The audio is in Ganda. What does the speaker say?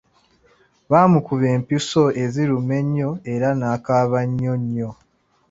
Baamukuba empiso eziruma ennyo era n’akaaba nnyo nnyo.